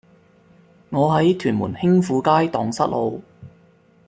我喺屯門興富街盪失路